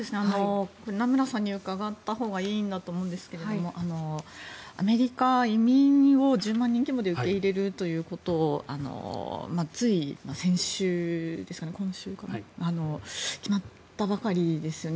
名村さんに伺ったほうがいいんだと思いますがアメリカ、移民を１０万人規模で受け入れるということをつい先週今週ですかね決まったばかりですよね。